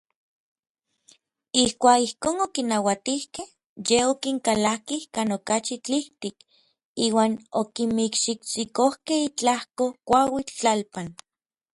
Ijkuak ijkon okinauatijkej, yej okinkalakij kan okachi tlijtik iuan okinmikxitsikojkej itlajko kuauitl tlalpan.